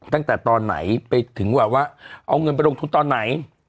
ตั้งแต่ตอนไหนไปถึงว่าเอาเงินไปลงทุนตอนไหน